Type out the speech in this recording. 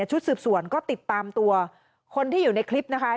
ชุดสืบสวนก็ติดตามตัวคนที่อยู่ในคลิปนะคะ